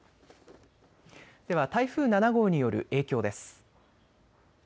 では台風７号による影響です。